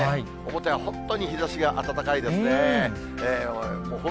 表は本当に日ざしが暖かいですね。